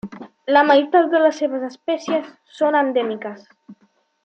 La meitat de les seves espècies són endèmiques.